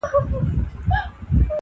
یو سړی وو خدای په ډېر څه نازولی,